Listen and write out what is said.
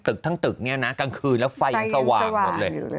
ทั้งตึกเนี่ยนะกลางคืนแล้วไฟยังสว่างหมดเลย